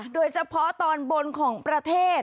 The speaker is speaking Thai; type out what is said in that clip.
โดยเฉพาะตอนบนของประเทศ